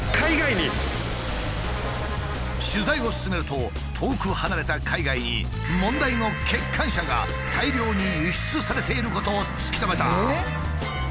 取材を進めると遠く離れた海外に問題の欠陥車が大量に輸出されていることを突き止めた。